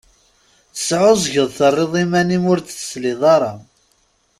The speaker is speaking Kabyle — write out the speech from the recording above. Tesεuẓẓgeḍ, terriḍ iman-im ur d-tesliḍ ara.